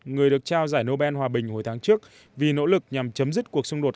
người được trao giải nobel hòa bình hồi tháng trước vì nỗ lực nhằm chấm dứt cuộc xung đột